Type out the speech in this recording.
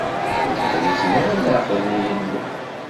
Ur ḥrizen ara leɛqed n Yillu.